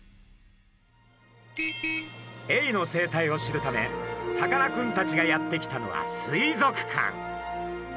エイの生態を知るためさかなクンたちがやって来たのは水族館。